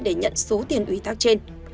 và nhận số tiền ủy thác trên